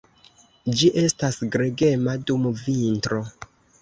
Ĝi estas gregema dum vintro.